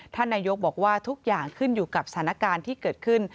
ท่านนายกบอกว่าทุกอย่างขึ้นอยู่กับสถานการณ์ที่เกิดขึ้น